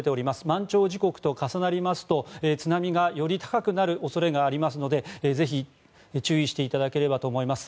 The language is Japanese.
満潮時刻と重なりますと津波がより高くなる恐れがありますのでぜひ、注意していただければと思います。